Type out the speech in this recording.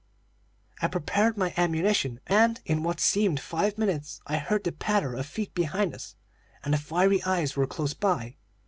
"I prepared my ammunition, and, in what seemed five minutes, I heard the patter of feet behind us, and the fiery eyes were close by.